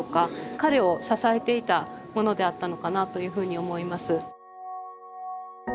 彼を支えていたものであったのかなというふうに思います。